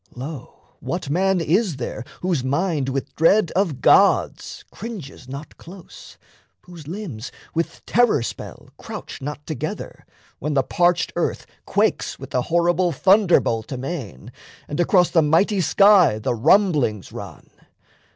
Lo, What man is there whose mind with dread of gods Cringes not close, whose limbs with terror spell Crouch not together, when the parched earth Quakes with the horrible thunderbolt amain, And across the mighty sky the rumblings run?